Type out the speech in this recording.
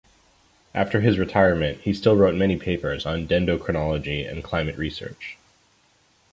After his retirement, he still wrote many papers on dendrochronology and climate research.